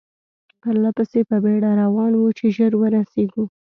پر پله په بېړه روان وو، چې ژر ورسېږو.